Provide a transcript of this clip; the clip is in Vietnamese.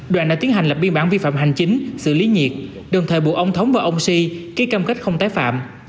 đoàn đã tiến hành lập biên bản vi phạm hành chính xử lý nhiệt đồng thời buộc ông thống và ông si ký cam kết không tái phạm